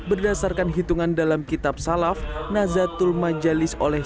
berdasarkan hitungan dalam kitab salaf dan menjelaskan bahwa kecamatan itu diperkenalkan oleh